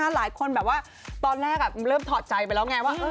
หลายคนแบบว่าตอนแรกเริ่มถอดใจไปแล้วไงว่า